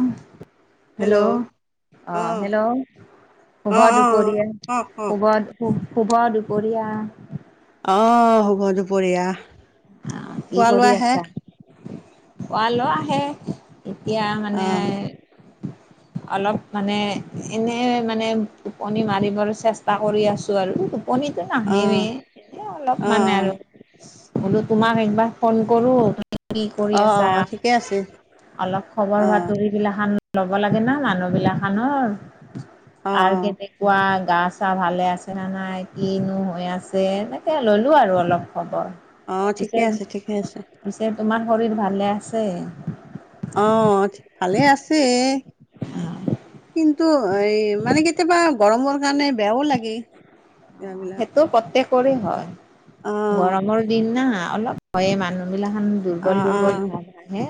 উম hello অ hello শুভ অ অ দুপৰীয়া অ ক ক শুভ শু শুভ দুপৰীয়া অ শুভ দুপৰীয়া আহ কি খোৱা কৰি লোৱা হে আছা পোৱালো আহে এতিয়া অ মানে অলপ মানে এনে মানে টোপনি মাৰিবৰ চেষ্টা কৰি আছো আৰু কণীটো অ নাহেৱেই, এনে অ অ অলপমান আৰু। বোলো তোমাক একবাৰ ফোন কৰো। কি কৰি অ অ আছা? ঠিকে আছে অলপ অ খবৰ-বাতৰি গিলাখন ল'ব লাগে না মানুহগিলাখনৰ! অ কাৰ কেনেকুৱা গা-ছা ছাৰ ভালে আছে নে নাই? কিনো হৈ আছে এনেকে ল'লো আৰু অলপ খবৰ। অ অ পিছে ঠিকে আছে ঠিকে আছে পিছে তোমাৰ শৰীৰ ভালে আছে অ ভালে আছে কিন্তু এই মানে কি কেতিয়াবা গৰমৰ কাৰণে বেয়াও লাগে এইবিলাক সেইটো প্ৰত্যেকৰে হয় অ গৰমৰ দিন না অলপ হয়ে মানুহ বিলাক খন অ দুৰ্বল অ দুৰ্বল ভাব আহে,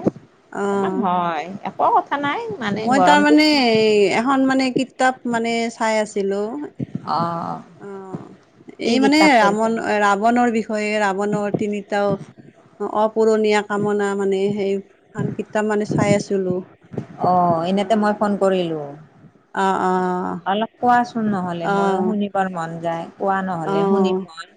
অ অকমান হয় একো কথা নাই মানে মই তাৰ গৰমটো মানে, এই এখন মানে কিতাপ মানে চাই আছো। ছিলো, অ কি এই মানে কিতাপ পঢ়িছা ৰামণ-ৰাৱণৰ বিষয়ে হৈ ৰাৱণৰ তিনিটাও অপূৰণীয়া কামনা মানে, সেইখন কিতাপ মানে চাই আছিলোঁ। অ' এনেতে মই ফোন কৰিলো, অ', অ', অলপ। কোৱাচোন নহ'লে ময়ো অ', শুনিবৰ মন যায়, কোৱা নহ'লে, শুনিম অ', মই!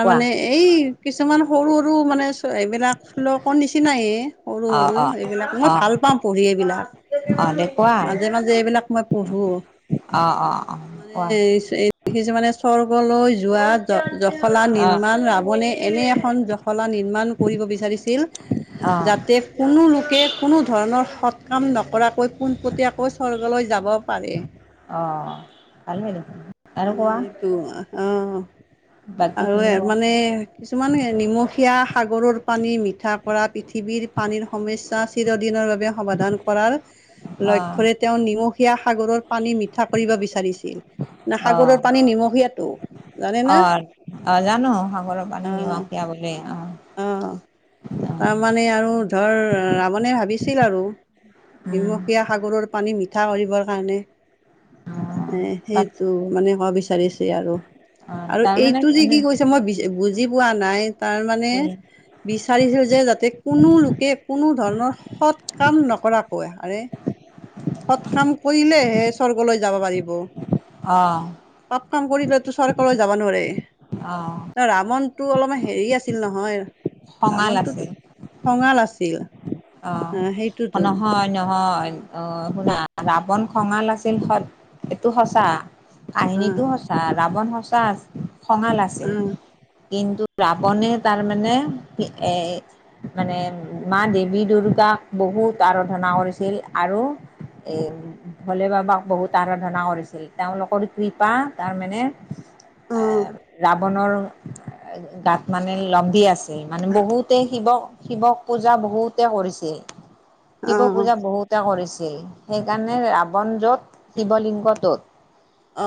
কোৱা। এই কিছুমান সৰু সৰু মানে। এইবিলাক শ্লোকৰ নিচিনায়েই সৰু অ সৰু। অ এইবিলাক, মই অ ভাল পাওঁ পঢ়ি এইবিলাক। অ'। দে কোৱা মাজে মাজে এইবিলাক মই পঢ়ো, অ অ অ মানে কোৱা দেখিছো মানে স্বৰ্গলৈ যোৱাত জ-জখলা অ নিৰ্মাণ ৰাৱণে এনে এখন জখলা নিৰ্মাণ কৰিব বিচাৰিছিল। অ যাতে কোনো লোকে কোনোধৰণৰ সৎ কাম নকৰাকৈ পোনপটীয়াকৈ স্বৰ্গলৈ যাব পাৰে। অ' ভালেই দেখোন, আৰু মানে কোৱা। সেইটো অ', আৰু বাকীখিনি কোৱা মানে কিছুমান নিমখীয়া সাগৰৰ পানী মিঠা কৰা পৃথিৱীৰ পানীৰ সমস্যা চিৰদিনৰ বাবে সমাধান কৰাৰ অ লক্ষ্যৰে তেওঁ নিমখীয়া সাগৰৰ পানী মিঠা কৰিব বিচাৰিছিল। না অ সাগৰৰ পানী নিমখীয়াতো। অ', অ' জানো সাগৰৰ পানী অ নিমখীয়া বুলি অ'। অ', অ তাৰমানে আৰু ধৰ ৰাৱণে ভাবিছিল আৰু! উম নিমখীয়া সাগৰৰ পানী মিঠা কৰিবৰ কাৰণে। অ তাত এ-সেইটো মানে ক'ব বিচাৰিছে আৰু! অ আৰু তাৰমানে এইটো যে এনে কি কৈছে মই বুজি পোৱা নাই, তাৰমানে বিচাৰিছিল যে যাতে, কোনো লোকে কোনোধৰণৰ সৎ কাম নকৰাকৈ। আৰে সৎ কাম কৰিলেহে স্বৰ্গলৈ যাব পাৰিব। অ'। পাপ কাম কৰিলেতো স্বৰ্গলৈ যাব নোৱাৰে। অ'। ৰাৱণটো অলপমান হেৰি আছিল নহয়! খঙাল আছে ৰাৱণটোতো খঙাল আছিল। আহ অ' সেইটোতো নহয় নহয়। অ' শুনা, ৰাৱন খঙাল আছিল হয়, এইটো সঁচা। কাহিনীটো সঁচা, ৰাৱণ সঁচা খঙাল আছিল, কিন্তু ৰাৱণে তাৰমানে, এ মানে মা দেৱীৰ। দুৰ্গাক বহুত আৰাধনা কৰিছিল আৰু, এই ভোলে বাবাক বহুত আৰাধনা কৰিছিল, তেওঁলোকৰ কৃপা তাৰমানে অ অ অ অ এ ৰাৱণৰ গাত মানে লম্ভি আছে। মানে, বহুতে শিৱক-শিৱক পূজা বহুতে কৰিছে। অ অ শিৱপূজা বহুতে কৰিছিল, সেইকাৰণে ৰাৱণ য'ত- শিৱলিংগটোত, অ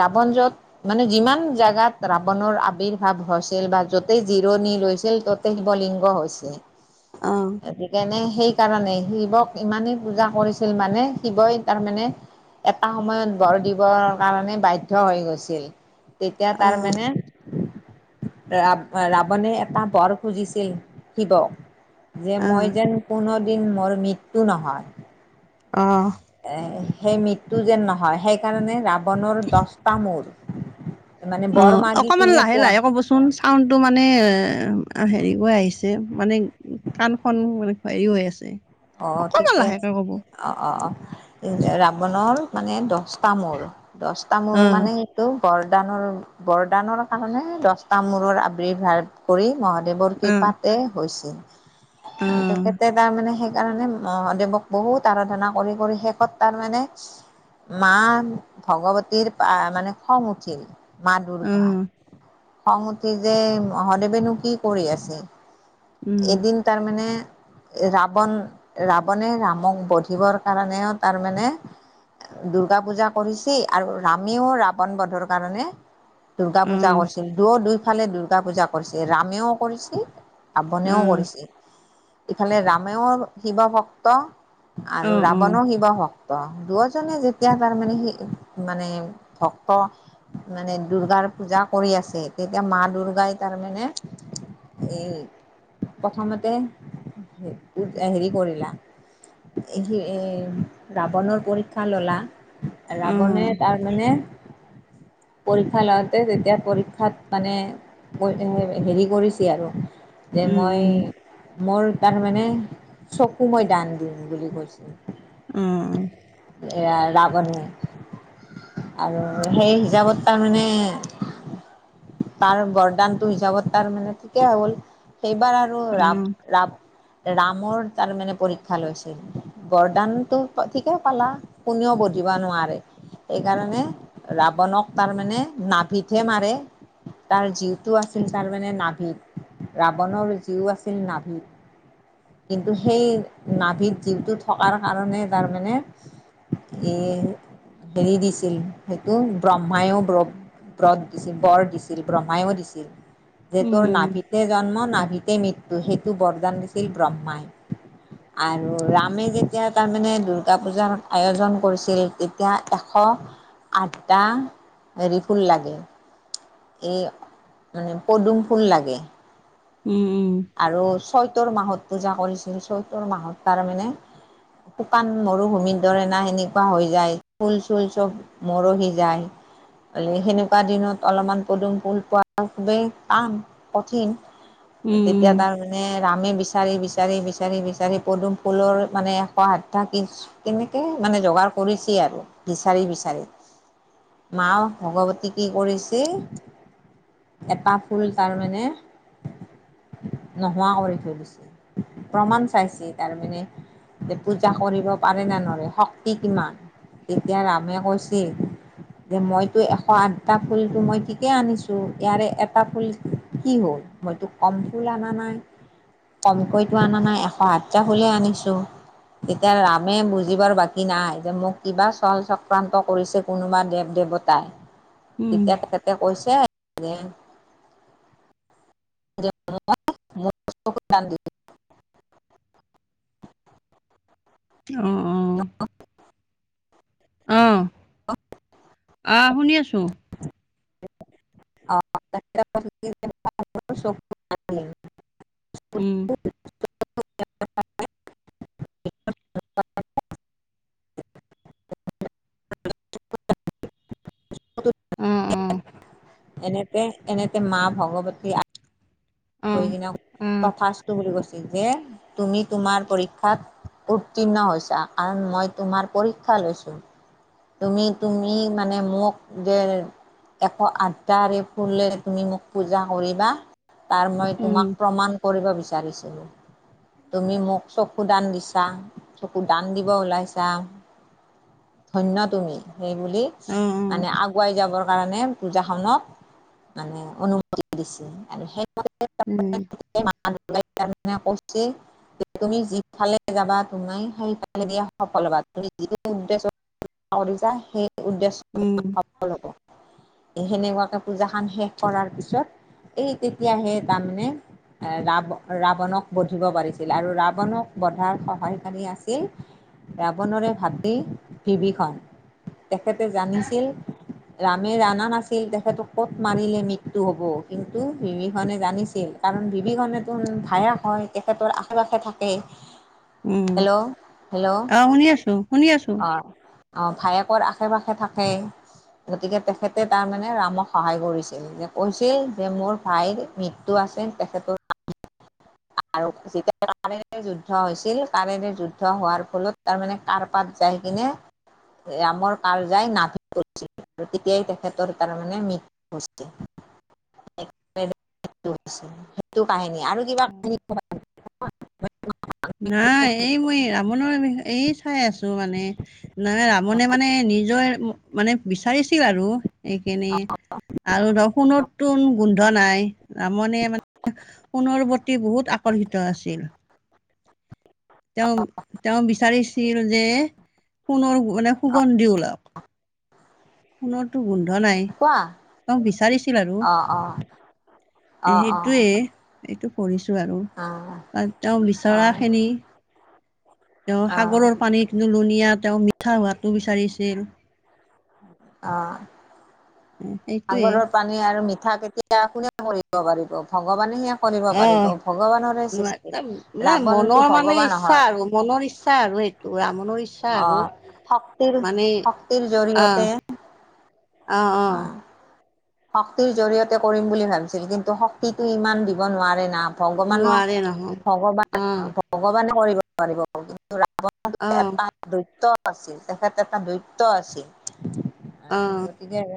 ৰাৱণ য'ত মানে যিমান জেগাত ৰাৱণৰ আৱিৰ্ভাৱ হৈছিল বা য'তেই জিৰণি লৈছিল ত'ত ত'তেই শিৱলিংগ হৈছে। অ'। গতিকেনে সেইকাৰণে শিৱক ইমানেই পূজা কৰিছিল মানে, শিৱই তাৰমানে এটা সময়ত বৰ দিবৰ কাৰণে বাধ্য হৈ গৈছিল। তেতিয়া অ তাৰ মানে ৰাব ৰাৱণে এটা বৰ খুজিছিল শিৱক যে অ মই যেন কোনো দিন মোৰ মৃত্যু নহয়। অঁহ। এহ সেই মৃত্যু যেন নহয় সেইকাৰণে ৰাৱণৰ দছটা মূৰ। মানে অ, বৰ মাগি অকমান কিনে লাহে পোৱা লাহে ক'বচো চোন চাউণ্ডটো মানে হেৰি কৰি আহিছে মানে কাণখন হেৰি হৈ আছেই, অকমান লাহেকে ক'ব। অ'-অ'-অ', ৰাৱণৰ মানে দছটা মূৰ, দছটা মূৰ অ মানে তটো বৰদানৰ -বৰদানৰ কাৰণে দছটা মূৰৰ আৰ্ৱিভাৱ কৰি মহাদেৱৰ অ কৃপাতে হৈছিল। অ তেখেতে তাৰমানে তাৰমানে মহাদেৱক বহুত আৰাধনা কৰি কৰি শেষত তাৰ মানে মা ভগৱতীৰ মানে খং উঠিল। মা অ দুৰ্গা। খঙ উঠি যে মহাদেৱেনো কি কৰি আছে? উম এদিন তাৰমানে ৰাৱণ ৰাৱণে ৰামক বধিবৰ কাৰণেও তাৰমানে দুৰ্গা পূজা কৰিছে আৰু ৰামেও ৰাৱণ বধৰ কাৰণে দুৰ্গা অ পূজা কৰিছিল। দুয়ো দুইফালে দুৰ্গা পূজা কৰিছিল। ৰামেও কৰিছিল অ ৰাৱণেও কৰিছিল। ইফালে ৰামেও শিৱ ভক্ত অ আৰু অ ৰাৱণো শিৱ ভক্ ত দুয়োজনে যেতিয়া তাৰমানে শি মানে ভক্ত মানে দুৰ্গাৰ পূজা কৰি আছে তেতিয়া মা দুৰ্গাই তাৰ মানে এই প্ৰথমতে স হেৰি কৰিলা ই ৰাৱণৰ পৰীক্ষা ললা অ ৰাৱণে তাৰ মানে পৰীক্ষা লওঁতে তেতিয়া পৰীক্ষাত মানে হেৰি কৰিছে আৰু। যে মই উম মোৰ তাৰমানে চকু মই দান দিম বুলি কৈছিল। উম। এ ৰাৱণে। আৰু সেই হিচাপত তাৰমানে তাৰ বৰদানটোৰ হিচাপত তাৰ মানে ঠিকেই হ'ল। সেইবাৰ আৰু ৰু অ ৰাব-ৰাব ৰামৰ তাৰ মানে পৰীক্ষা লৈছিল। বৰদানতো ঠিকে পালা কোনেও বধিব নোৱাৰে। সেইকাৰণে ৰাৱনক তাৰ মানে নাভিতহে মাৰে। তাৰ জীউটো আছিল তাৰ মানে নাভিত ৰাৱণৰ জীউ আছিল নাভিত। কিন্তু সেই নাভিত জীউটো থকাৰ কাৰণে তাৰমানে এ হেৰি দিছিল সেইটো ব্ৰহ্মায়ও ব্ৰ ব্ৰত দিছিল বৰ দিছিল ব্ৰহ্মায়ো দিছিল। যে উম তোৰ উম নাভিতে জন্ম নাভিতে মৃত্যু। সেইটো বৰদান দিছিল ব্ৰহ্মাই। আৰু ৰামে যেতিয়া তাৰমানে দুৰ্গা পূজাৰ আয়োজন কৰিছিল তেতিয়া এশ আঠটা হেৰিফুল লাগে। এ মানে পদুম ফুল লাগে। উম-উম। আৰু চৈতৰ মাহত পূজা কৰিছিল, চৈতৰ মাহত তাৰমানে শুকান মৰুভূমিৰ দৰে না সেনেকুৱা হৈ যায় ফুল চুল চব মৰহি যায়। এনে সেনেকুৱা দিনত অলপমান পদুম ফুল পোৱা খুবেই টান, কঠিন। উম তেতিয়া উম তাৰ নে ৰামে বিচাৰি, বিচাৰি, বিচাৰি, বিচাৰি পদুম ফুলৰ মানে এশ আঠটা কিছ কেনেকে মানে যোগাৰ কৰিছে আৰু বিচাৰি - বিচাৰি। মা ভগৱতী কি কৰিছিল এপাহ ফুল তাৰ মানে নোহোৱা কৰি থৈ দিছিল প্ৰমাণ চাইছে তাৰমানে যে পূজা কৰিব পাৰে নে নৰে? শক্তি কিমান? তেতিয়া ৰামে কৈছি যে মইতো এশ আঠটা ফুলটো মই ঠিকে আনিছো। ইয়াৰে এটা ফুল কি হ'ল মইতো কম ফুল আনা নাই। কমকৈটো আনা নাই। এশ আঠটা ফুলে আনিছো। তেতিয়া ৰামে বুজিবাৰ বাকী নাই যে মোক কিবা চল চক্ৰান্ত কৰিছে। কোনোবা দেৱ-দেৱতাই, উম তেতিয়া তেখেতে কৈছে যে [unintelligible] দান অ। [unintelligible] অ। অ, শুনি আছো। অ [unintelligible] উম। [unintelligible] [unintelligible] অ অ [unintelligible] এনেতে এনেতে মা ভগৱতী অ হৈ কিনে অ তথাস্তু বুলি কৈছিল যে তুমি তোমাৰ পৰীক্ষাত উত্তীৰ্ণ হৈছা কাৰণ মই তোমাৰ পৰীক্ষা লৈছো। তুমি তুমি মানে মোক যে এশ আঠটা ৰে ফুলেৰে তুমি মোক পূজা কৰিবা। কাৰণ মই উম তোমাক প্ৰমাণ কৰিব বিচাৰিছিলো। তুমি মোক চকু দান দিছা। চকু দান দিব ওলাইছা। ধন্য তুমি সেইবুলি অ অ মানে আগুৱাই যাবৰ কাৰণে পূজাখনক মানে অনুমতি দিছে আৰু সেই [unintelligible] [unintelligible] তুমি যিফালে যাবা তুমি সেইফালে দিয়ে সফল হ'বা। তুমি যিটো উদ্দেশ্য ভাবিছা সেই উদ্দেশ্য উম। সফল হ'ব। এ সেনেকুৱাকে পূজাখন শেষ কৰাৰ পিছত এই তেতিয়াহে তাৰমানে ৰাৱ ৰাৱণক বধিব পাৰিছিল আৰু ৰাৱণক বধাৰ সহায় কাৰী আছিল ৰাৱণৰে ভাতৃ বিভীষণ। তেখেতে জানিছিল ৰামে জানা নাছিল তেখেতক ক'ত মাৰিলে মৃত্যু হ'ব, কিন্তু বিভীষণে জানিছিল। কাৰণ বিভীষণে টোন ভায়েক হয়, তেখেতৰ আশে-পাশে থাকে। উম উম হেল্ল', হেল্ল' অ শুনি আছো শুনি আছো অ অ ভায়েকৰ আশে-পাশে থাকে। গতিকে তেখেতে তাৰমানে ৰামক সহায় কৰিছিল, যে কৈছিল যে মোৰ ভাইৰ মিত টো আছে তেখেতৰ আৰু [unintelligible] কাঁড়েৰে যুদ্ধ হৈছিল। কাঁড়েৰে যুদ্ধ হোৱাৰ ফলত তাৰমানে কাঁড় পাত যাই কিনে ৰামৰ কাল যায় নাভি আৰু তেতিয়াই তেখেতৰ তাৰমানে মৃত্যু হৈছে। [unintelligible] সেইটো কাহিনী আৰু কিবা কাহিনী কবাত নাই এই মই ৰাৱণৰ বিষয়ে এই চাই আছো মানে নে ৰাৱনে মানে নিজৰ মানে বিচাৰিছিল আৰু। এইখিনি আৰু ধৰ সোণৰটোন গোন্ধ নাই। ৰামণে মানে সোণৰ প্ৰতি বহুত আকৰ্ষিত আছিল। তেওঁৰ তেওঁ বিচাৰিছিল যে সোণৰ মানে সুগন্ধি ওলাওক। সোণৰ টো গোন্ধ নাই, কোৱা তেওঁ বিচাৰিছিল আৰু। অঁ অঁ। অঁ অঁ সেইটোৱে এইটো পঢ়িছো আৰু অঁ ত তেওঁ বিচাৰা অঁ খিনি তেওঁ অঁ সাগৰৰ পানীটো লুনিয়া তেওঁ মিঠা হোৱাটো বিচাৰিছিল। অ। এইটোয়ে সাগৰৰ পানী আৰু মিঠা কেতিয়া, কোনে কৰিব পাৰিব ভগৱানে সেয়া কৰিব অ'। পাৰিব, ভগৱানৰে সৃষ্টি। নাই মনৰ ৰাৱণটো মানে ভগৱান ইচ্ছা আৰু নহয়। মনৰ ইচ্ছা আৰু সেইটো ৰাৱণৰ ইচ্ ছা আৰু অঁ শক্তিৰ মানে শক্তিৰ অ, জৰিয়তে অ-অ। অঁ শক্তিৰ জৰিয়তে কৰিম বুলি ভাবিছিল কিন্তু শক্তিটো ইমান দিব নোৱাৰে না ভগৱানক নোৱাৰে নহয় ভগৱান অ ভ ভগৱানে কৰিব পাৰিব কিন্তু ৰাৱণটো অ', এটা দত্য আছিল তেখেত এটা দত্য আছিল আৰু অ'। গতিকে